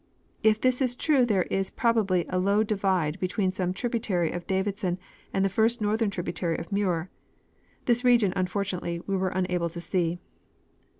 If this is true there is probably a low divide between some tributary of Davidson and the first northern tributary of Muir. This region, unfortunately, we were unable to see.